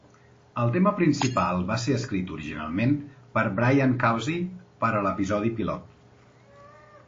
El tema principal va ser escrit originalment per Brian Causey per a l'episodi pilot.